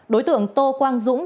đối tượng tô quang dũng